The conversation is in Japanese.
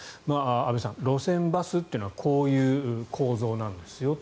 安部さん、路線バスというのはこういう構造なんですよと。